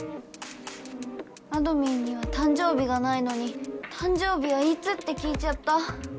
あどミンには誕生日がないのに「誕生日はいつ？」って聞いちゃった。